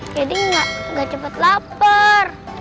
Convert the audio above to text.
jadi gak cepet lapar